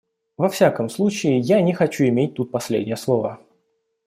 Во всяком случае, я не хочу иметь тут последнее слово.